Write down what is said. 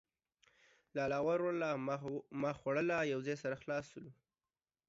لالا وړوله ما خوړله ،. يو ځاى سره خلاص سولو.